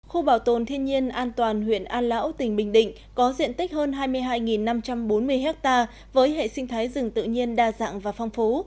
khu bảo tồn thiên nhiên an toàn huyện an lão tỉnh bình định có diện tích hơn hai mươi hai năm trăm bốn mươi ha với hệ sinh thái rừng tự nhiên đa dạng và phong phú